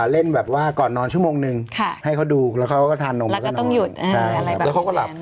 แล้วก็ต้องหยุดอะไรบ้างอย่างนั้นแล้วเขาก็หลับ